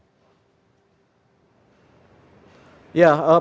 ya politik memberikan pilihan kata yang banyak